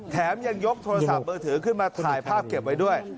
แถมยังยกโทรศัพท์มือถือขึ้นมาถ่ายภาพเก็บไว้ด้วย